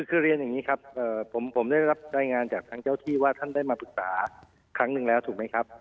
คือเรียนอย่างนี้ครับผมได้รับรายงานจากทางเจ้าที่ว่าท่านได้มาปรึกษาครั้งหนึ่งแล้วถูกไหมครับ